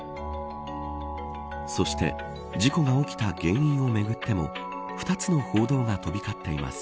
そして、事故が起きた原因をめぐっても２つの報道が飛び交っています。